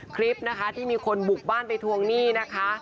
คลิปนะคะที่มีคนบุกบ้านไปทวงหนี้นะคะ